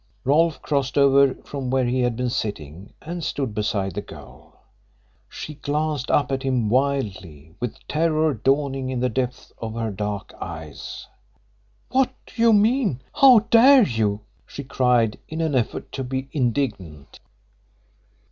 Rolfe crossed over from where he had been sitting and stood beside the girl. She glanced up at him wildly, with terror dawning in the depths of her dark eyes. "What do you mean? How dare you?" she cried, in an effort to be indignant.